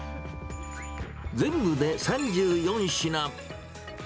全部で３４品。